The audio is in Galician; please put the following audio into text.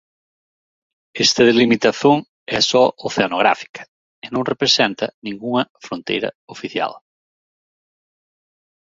Esta delimitación é só oceanográfica e non representa ningunha fronteira oficial.